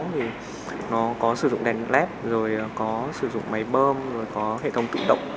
thì nó có sử dụng đèn led rồi có sử dụng máy bơm rồi có hệ thống tự động